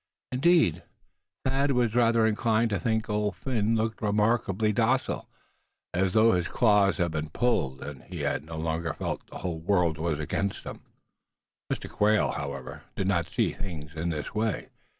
Indeed, Thad was rather inclined to think Old Phin looked remarkably docile, as though his claws had been pulled, and he no longer felt that the whole world was against him. Mr. Quail, however, did not see things in this way.